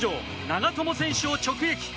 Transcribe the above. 長友選手を直撃。